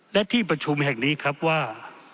และที่ประชุมแห่งนี้ครับว่า